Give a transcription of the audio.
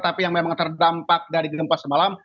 tapi yang memang terdampak dari gempa semalam